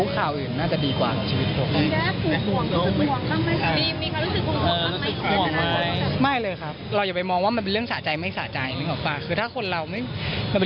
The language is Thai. ถ้าคนเรามันเป็นเรื่องของเขาไง